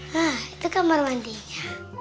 hah itu kamar mandinya